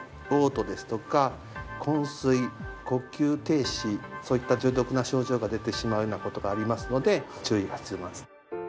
おう吐ですとかこん睡呼吸停止そういった重篤な症状が出てしまうような事がありますので注意が必要なんです。